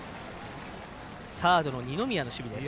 サードの二宮の守備です。